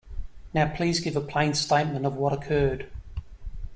Now please give a plain statement of what occurred.